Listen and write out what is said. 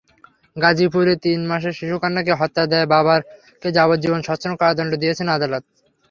গাজীপুরে তিন মাসের শিশুকন্যাকে হত্যার দায়ে বাবাকে যাবজ্জীবন সশ্রম কারাদণ্ড দিয়েছেন আদালত।